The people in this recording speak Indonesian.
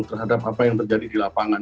terhadap apa yang terjadi di lapangan